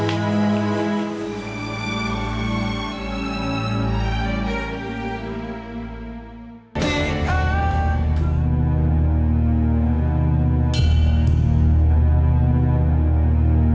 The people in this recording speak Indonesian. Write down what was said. saya ikut bapak